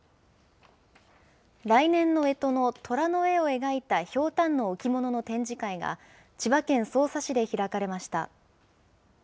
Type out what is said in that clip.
来年のえとのとらの絵を描いたひょうたんの置物の展示会が、千葉県匝瑳市で開かれました。